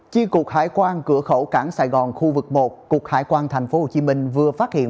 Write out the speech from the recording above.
chi cục hải quan cửa khẩu cảng sài gòn khu vực một cục hải quan tp hcm vừa phát hiện